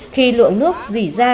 khi lượng nước dỉ ra